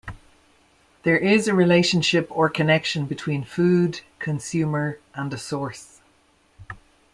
There is a relationship or connection between food, consumer, and a source.